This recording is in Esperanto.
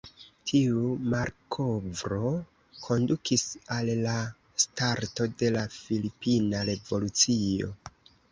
Tiu malkovro kondukis al la starto de la Filipina Revolucio.